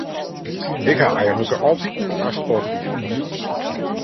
Ik ha eigentlik altyd oan sport dien.